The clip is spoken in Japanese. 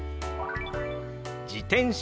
「自転車」。